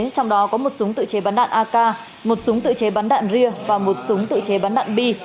trong đó có một súng tự chế bắn đạn ak một súng tự chế bắn đạn ria và một súng tự chế bắn đạn bi